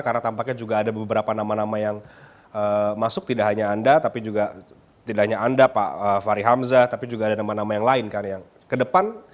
karena tampaknya juga ada beberapa nama nama yang masuk tidak hanya anda pak fahri hamzah tapi juga ada nama nama yang lain kan yang ke depan